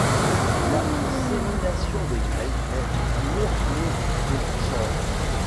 La dissémination des graines est myrmécochore.